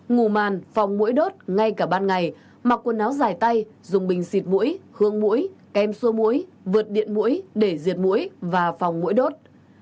ngủ màn phòng mũi đốt ngay cả ban ngày mặc quần áo dài tay dùng bình xịt mũi hương mũi kem xua muối vượt điện mũi để diệt mũi và phòng mũi đốt